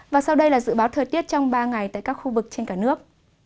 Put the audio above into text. và sau đây là dự báo thời tiết trong ba ngày tại các khu vực trên cả nước